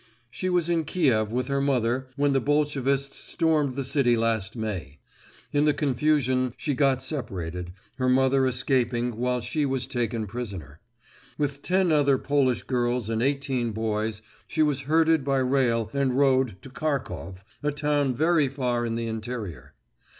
She was in Kiev with her mother when the Bolshevists stormed the city last May. In the confusion she got separated, her mother escaping while she was taken prisoner. With ten other Polish girls and eighteen boys, she was herded by rail and road to Kharkov, a town very far in the interior.